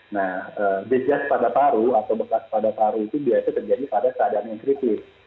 nah jejak pada paru atau bekas pada paru itu biasanya terjadi pada keadaan yang kritis